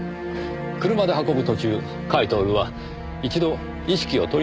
車で運ぶ途中甲斐享は一度意識を取り戻しましたねぇ。